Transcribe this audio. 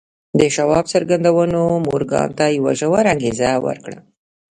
د شواب څرګندونو مورګان ته يوه ژوره انګېزه ورکړه.